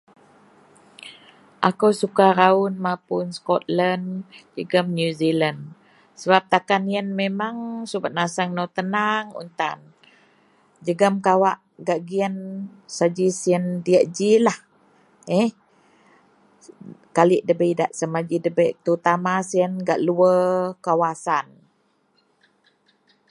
Akou sukan rawon mapun Scotland jegum New Zealand sebab takan iyen memang subet naseang nou teneng un tan jegum kawak gak giyen saji siyen diyak g lah eh kaliek nda bei idak sama g terutama siyen gak luwar kawasan.